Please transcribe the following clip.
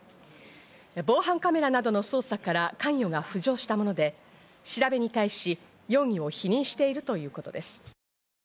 防犯カメラなどの捜査から関与が浮上したもので、調べに対し、容疑を否認しているということです。